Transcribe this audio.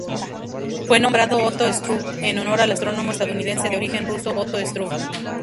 Fue nombrado Otto Struve en honor al astrónomo estadounidense de origen ruso Otto Struve.